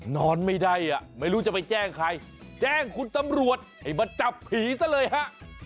นอนไม่ได้อ่ะไม่รู้จะไปแจ้งใครแจ้งคุณตำรวจให้มาจับผีซะเลยฮะ